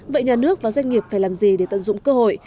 vậy nhà nước và doanh nghiệp phải làm gì để tận dụng cơ hội